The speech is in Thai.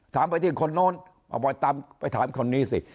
ถามไปที่คนโน้นเอาไปตามไปถามคนนี้สิ